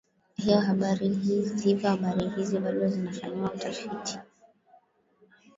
hivyo habari hizi bado zinafanyiwa utafiti